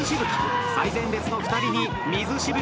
最前列の２人に水しぶきの洗礼。